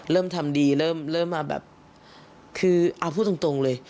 เริ่มทำดีเริ่มมาแบบคือเอาพูดตรงเลย